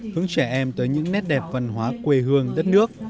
hướng trẻ em tới những nét đẹp văn hóa quê hương đất nước